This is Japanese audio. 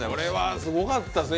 すごかったですね。